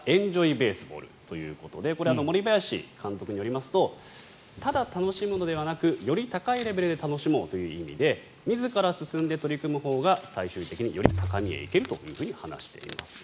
・ベースボールということでこれ、森林監督によりますとただ楽しむのではなくより高いレベルで楽しもうという意味で自ら進んで取り組むほうが最終的により高みへ行けると話しています。